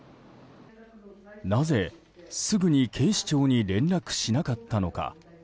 なぜ、すぐに警視庁に連絡しなかったのか。